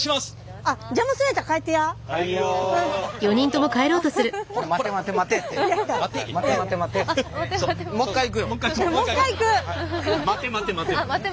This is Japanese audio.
あっ「待て待て待て」。